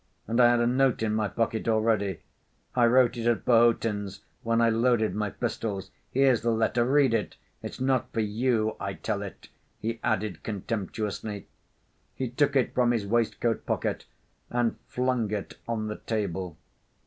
And I had a note in my pocket already. I wrote it at Perhotin's when I loaded my pistols. Here's the letter. Read it! It's not for you I tell it," he added contemptuously. He took it from his waistcoat pocket and flung it on the table.